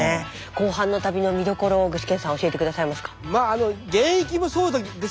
後半の旅の見どころを具志堅さん教えてくださいますか？